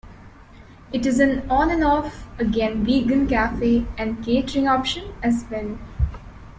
It is an on-and-off again vegan cafe and catering operation as well.